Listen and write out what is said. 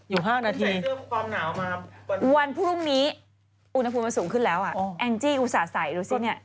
๕นาทีความหนาวมาวันพรุ่งนี้อุณหภูมิมันสูงขึ้นแล้วอ่ะแองจี้อุตส่าห์ใส่ดูสิเนี่ย